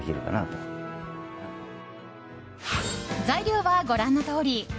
材料はご覧のとおり。